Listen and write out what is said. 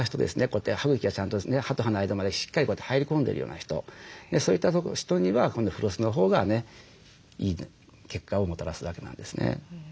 こうやって歯茎がちゃんと歯と歯の間までしっかりこうやって入り込んでいるような人そういった人にはフロスのほうがねいい結果をもたらすわけなんですね。